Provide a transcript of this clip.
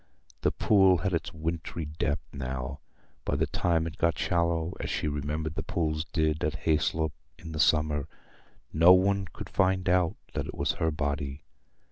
The pool had its wintry depth now: by the time it got shallow, as she remembered the pools did at Hayslope, in the summer, no one could find out that it was her body.